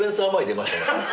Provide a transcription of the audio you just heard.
出ましたよ。